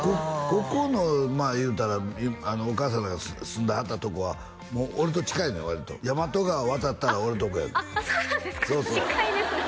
ここの言うたらお母さんらが住んではったとこはもう俺と近いのよ割と大和川渡ったら俺のとこやであっそうなんですか？